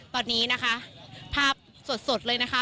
ตอนนี้นะคะภาพสดเลยนะคะ